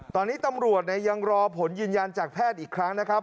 ตอนนี้ตำรวจยังรอผลยืนยันจากแพทย์อีกครั้งนะครับ